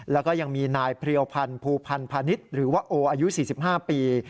แล้วก็ยังมีนายเพรียวพันธ์ภูพันธ์พาณิชย์หรือว่าโออายุ๔๕ปี